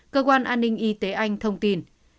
cơ quan an ninh y tế anh thông tin